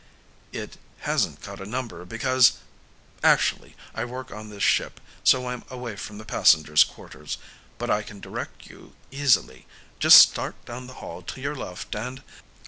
"It hasn't got a number because actually I work on this ship so I'm away from the passengers' quarters. But I can direct you easily. Just start down the hall to your left and